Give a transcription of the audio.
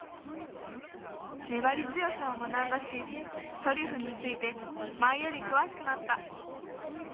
ねばりづよさを学んだしトリュフについてまえよりくわしくなった。